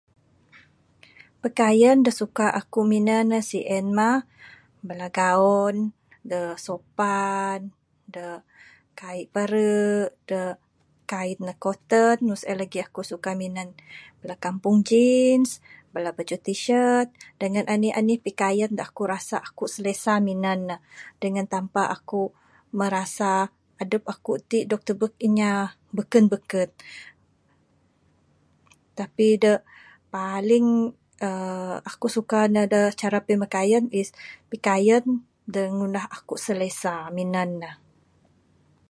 Pakaian dak suka akuk minan ne sien mah bala gaun da sopan. Da kaik pare'. Da kain ne minan cotton. Mung sien lagi akuk suka minan bala kampung jeans, bala bajuh T-shirt dengan anih-anih pikaian dak akuk rasa akuk selesa minan ne. Dengan tanpa akuk merasa adup akuk tik udog tebuk inya bekun-bekun. Tapi dak paling uhh akuk suka ne da cara pemikaian is pikaian da ngundah akuk selesa minan ne.